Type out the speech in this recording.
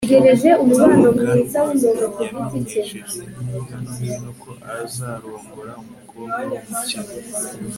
umuganwa yamenyesheje hirya no hino ko azarongora umukobwa wumukene